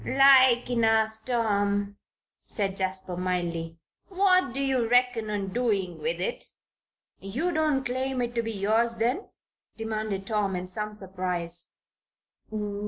"Like enough, Tom," said Jasper, mildly. "What do you reckon on doing with it?" "You don't claim it to be yours, then?" demanded Tom, in some surprise.